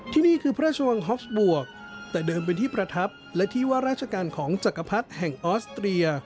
ที่นี่คือพระราชวังฮอฟบวกแต่เดิมเป็นที่ประทับและที่ว่าราชการของจักรพรรดิแห่งออสเตรีย